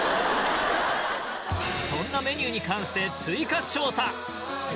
そんなメニューに関して追加調査！